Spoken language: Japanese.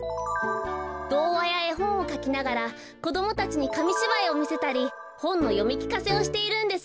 どうわやえほんをかきながらこどもたちにかみしばいをみせたりほんのよみきかせをしているんです。